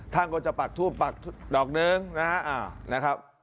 ท่านก็จะปักทูบปักดอกนึงนะครับ